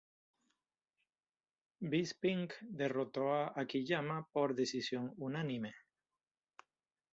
Bisping derrotó a Akiyama por decisión unánime.